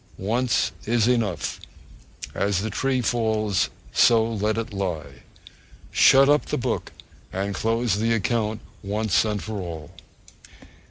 Once is enough. As the tree falls, so let it lie. Shut up the book and close the account once for all!